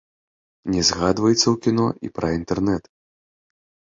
Не згадваецца ў кіно і пра інтэрнэт.